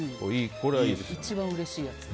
一番うれしいやつ。